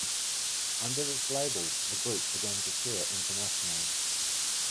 Under this label the group began to tour internationally.